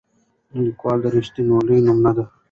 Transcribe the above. لیکوال د رښتینولۍ نمونه ده.